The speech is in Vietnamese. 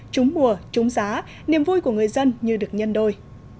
trúng mùa trúng giá niềm vui của người dân như được nhân đôi